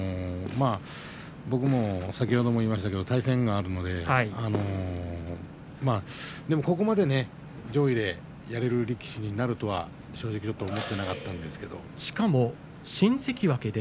僕も先ほど言いましたけど対戦があるのでここまで上位でやれる力士になるとは正直ちょっと思っていなかったですけれど。